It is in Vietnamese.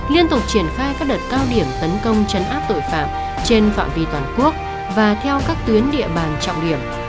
liên tục triển khai các đợt cao điểm tấn công chấn áp tội phạm trên phạm vi toàn quốc và theo các tuyến địa bàn trọng điểm